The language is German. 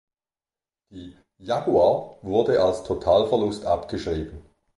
Die "Jaguar" wurde als Totalverlust abgeschrieben.